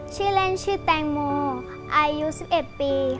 ชื่อเล่นชื่อแตงโมอายุ๑๑ปี